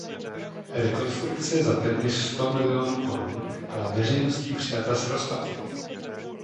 Rekonstrukce za téměř sto milionů korun byla veřejností přijata s rozpaky.